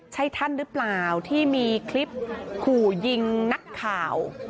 ใช่ท่านหรือเปล่าที่มีคลิปขู่ยิงนักข่าว